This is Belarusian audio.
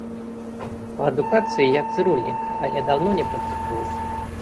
Па адукацыі я цырульнік, але даўно не практыкую.